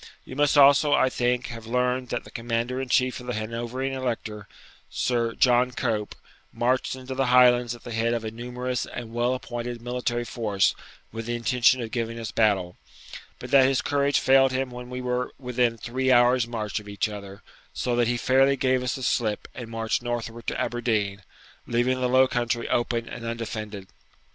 You must also, I think, have learned that the commander in chief of the Hanoverian Elector, Sir John Cope, marched into the Highlands at the head of a numerous and well appointed military force with the intention of giving us battle, but that his courage failed him when we were within three hours' march of each other, so that he fairly gave us the slip and marched northward to Aberdeen, leaving the Low Country open and undefended.